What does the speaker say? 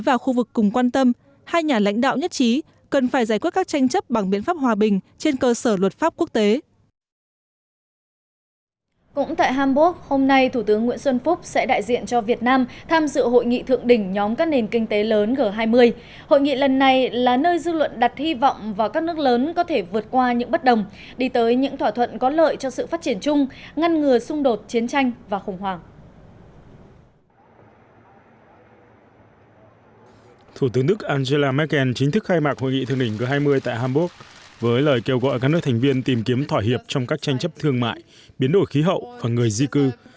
angela merkel chính thức khai mạc hội nghị thượng đỉnh g hai mươi tại hamburg với lời kêu gọi các nước thành viên tìm kiếm thỏa hiệp trong các tranh chấp thương mại biến đổi khí hậu và người di cư